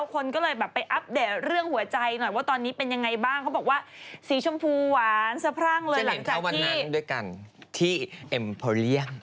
เขาเข้าไปอยู่พนันวงพนันกลังเลยเต็มเลย